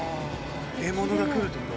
獲物が来るっていうこと？